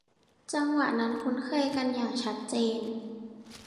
จังหวะนั้นคุ้นเคยกันอย่างชัดเจน